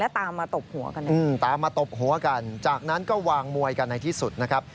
ตามมาตบหัวกันนะตามมาตบหัวกันจากนั้นก็วางมวยกันในที่สุดนะครับ